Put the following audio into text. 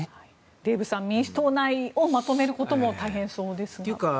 デーブさん民主党内をまとめることも大変そうですね。